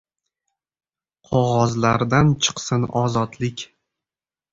Қоғозлардан чиқсин озодлик